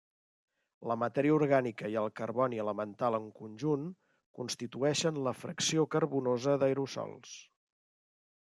La matèria orgànica i el carboni elemental en conjunt constitueixen la fracció carbonosa d'aerosols.